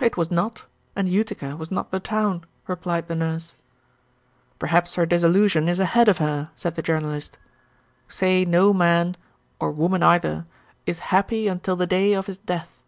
"It was not, and Utica was not the town," replied the Nurse. "Perhaps her disillusion is ahead of her," said the Journalist. "'Say no man' or woman either 'is happy until the day of his death.'"